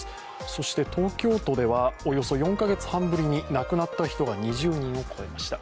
そして東京都ではおよそ４カ月半ぶりに亡くなった人が２０人を超えました。